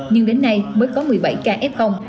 nhưng đến nay mới có một mươi bảy ca f